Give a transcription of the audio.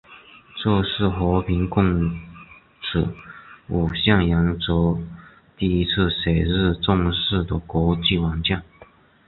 这是和平共处五项原则第一次写入正式的国际文件。